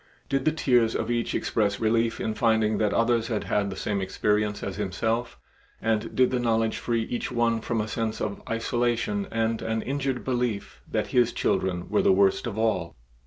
Did the tears of each express relief in finding that others had had the same experience as himself, and did the knowledge free each one from a sense of isolation and an injured belief that his children were the worst of all?